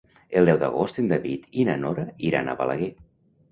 El deu d'agost en David i na Nora iran a Balaguer.